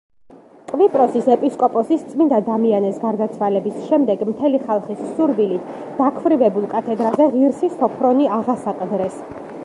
კვიპროსის ეპისკოპოსის, წმინდა დამიანეს გარდაცვალების შემდეგ მთელი ხალხის სურვილით დაქვრივებულ კათედრაზე ღირსი სოფრონი აღასაყდრეს.